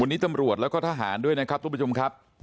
วันนี้ตำรวจแล้วก็ทหารด้วยนะครับทุกผู้ชมครับ